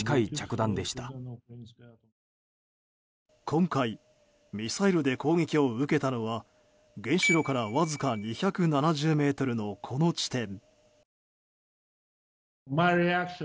今回、ミサイルで攻撃を受けたのは原子炉からわずか２７０ｍのこの地点。